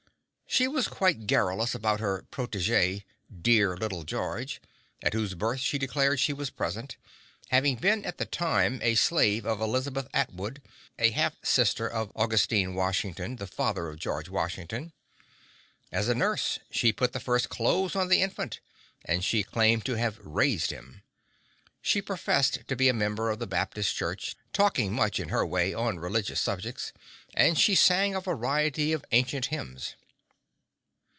She was quite garrulous about her protege "dear little George," at whose birth she declared she was present, having been at the time a slave of Elizabeth Atwood, a half sister of Augustine Washington, the father of George Washington. As nurse she put the first clothes on the infant and she claimed to have "raised him." She professed to be a member of the Baptist church, talking much in her way on religious subjects, and she sang a variety of ancient hymns.